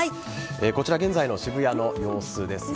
こちら現在の渋谷の様子ですね。